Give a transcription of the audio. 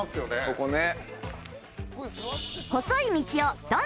ここね。